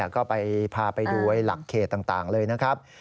ก็ไปพาไปดูหลักเขตต่างเลยนะครับ